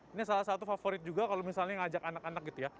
ini salah satu favorit juga kalau misalnya ngajak anak anak gitu ya